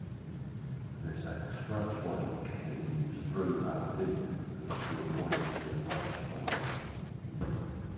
This expressway continues through Aberdeen to a point near Westport.